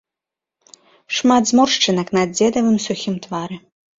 Шмат зморшчынак на дзедавым сухім твары.